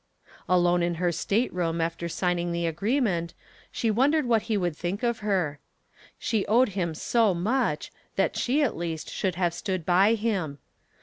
Alone in her stateroom after signing the agreement, she wondered what he would think of her. She owed him so much that she at least should have stood by him.